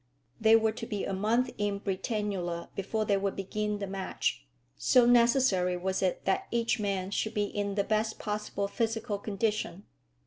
They were to be a month in Britannula before they would begin the match, so necessary was it that each man should be in the best possible physical condition.